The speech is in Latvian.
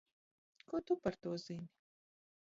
Ko tu par to zini?